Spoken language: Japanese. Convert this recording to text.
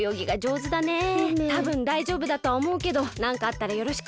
たぶんだいじょうぶだとはおもうけどなんかあったらよろしく。